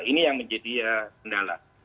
ini yang menjadi kendala